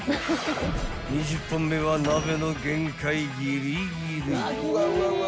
［２０本目は鍋の限界ギリギリ］